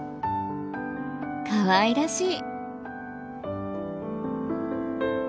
かわいらしい。